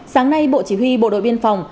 sáng nay bộ chỉ huy bộ đội biên phòng